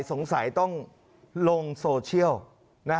สงสัยต้องลงโซเชียล